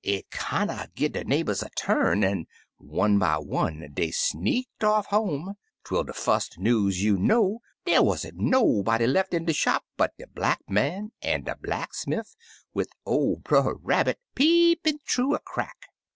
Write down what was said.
It kinder gi' de neighbors a turn, an' one by one dey sneaked off home, twel de fust news you know, dey wan't nobody lef in de shop but de Black Man an' de blacksmiff, wid ol' Brer Rabbit peepin' thoo a crack.